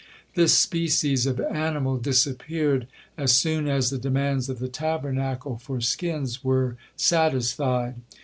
This species of animal disappeared as soon as the demands of the Tabernacle for skins were satisfied.